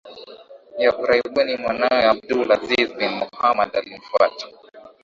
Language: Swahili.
ya Uarabuni Mwanawe AbdulAziz bin Muhammad alimfuata